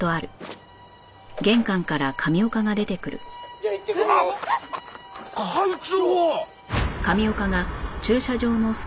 「じゃあ行ってくるよ」会長！？